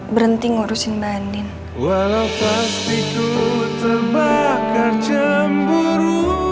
berhenti ngurusin mbak andin